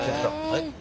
はい。